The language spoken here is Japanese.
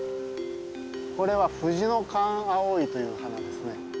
これはフジノカンアオイという花ですね。